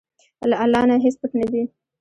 له الله نه هیڅ پټ نه دي.